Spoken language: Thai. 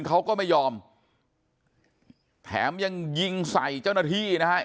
เขาก็ไม่ยอมแถมยังยิงใส่เจ้าหน้าที่นะฮะ